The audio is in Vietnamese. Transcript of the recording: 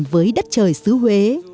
với đất trời xứ huế